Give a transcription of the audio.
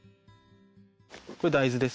これ大豆です。